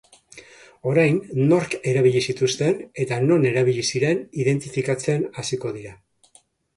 Orain, nork erabili zituzten eta non erabili ziren identifikatzen hasiko dira.